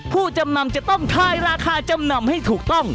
ผู้จำนำจะต้องทายราคาจำนำให้ถูกต้อง